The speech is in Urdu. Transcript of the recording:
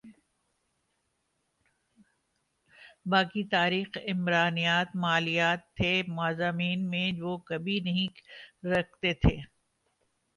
باقی تاریخ عمرانیات مالیات تھے مضامین جو وہ کبھی نہیں رکھتے تھے